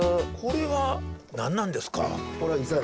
これは何なんですか？